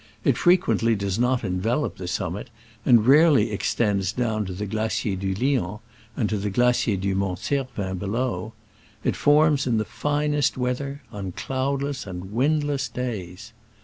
It fre quently does not envelop the summit, and rarely extends down to the Glacier du Lion and to the Glacier du Mont Cer vin below. It forms in the finest weath er — on cloudless and windless days.